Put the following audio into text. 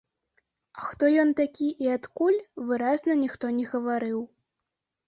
А хто ён такі і адкуль, выразна ніхто не гаварыў.